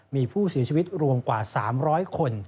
มีผู้เสียชีวิตรวมกว่า๓๐๐คน